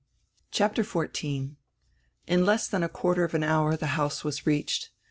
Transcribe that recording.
CHAPTER XIV IN less than a quarter of an hour the house was reached.